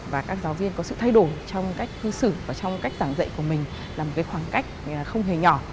và các giáo viên có sự thay đổi trong cách ứng xử và trong cách giảng dạy của mình là một khoảng cách không hề nhỏ